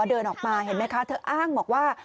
เดินออกมาเห็นไหมคะเธออ้างบอกว่า